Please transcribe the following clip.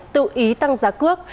tự ý tăng giá cước